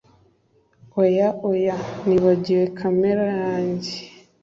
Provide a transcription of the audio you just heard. Oya oya Nibagiwe kamera yanjye